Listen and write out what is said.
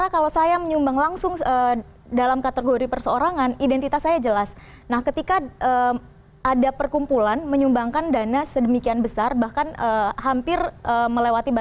kalau allah menggariskan menjadi presiden kepada masyarakat atau kepada individunya